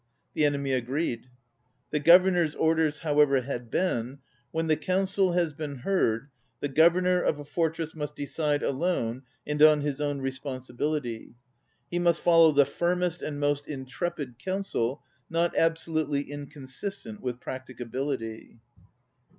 The enemy agreed. 54 ON READING The Governor's orders, however, had been; "When the council has been heard, the Gk)vernor of a fortress must decide alone and on his own responsibility. He must follow the firmest and most intrepid counsel not absolutely inconsistent with practicability."